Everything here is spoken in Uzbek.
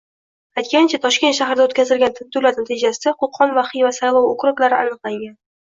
Aytgancha, Toshkent shahrida o'tkazilgan tintuvlar natijasida Qo'qon va Xiva saylov okruglari aniqlangan